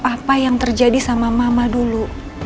apa yang terjadi sama mama dulu